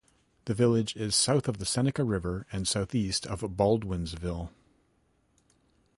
The village is south of the Seneca River and southeast of Baldwinsville.